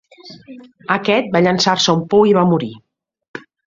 Aquest va llançar-se a un pou i va morir.